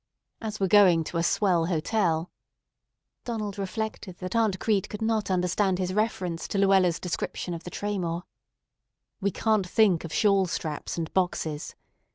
As we're going to a 'swell' hotel,"—Donald reflected that Aunt Crete could not understand his reference to Luella's description of the Traymore,—"we can't think of shawl straps and boxes.